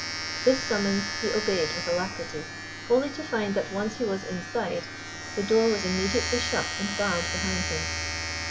This summons he obeyed with alacrity, only to find that once he was inside, the door was immediately shut and barred behind him.